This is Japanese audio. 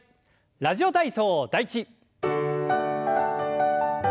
「ラジオ体操第１」。